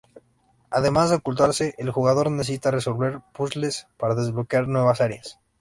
Además de ocultarse, el jugador necesita resolver puzzles para desbloquear nuevas áreas.